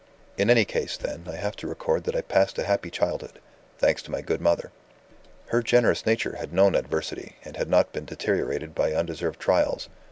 "In any case, then, I have to record that I passed a happy childhood thanks to my good mother. Her generous nature had known adversity, and had not been deteriorated by undeserved trials.